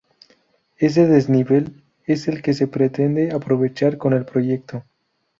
Ese desnivel es el que se pretende aprovechar con el proyecto.